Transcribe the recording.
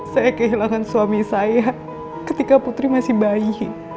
saya kehilangan suami saya ketika putri masih bayi